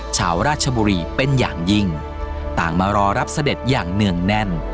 ชาวราชบุรีเป็นอย่างยิ่งต่างมารอรับเสด็จอย่างเนื่องแน่น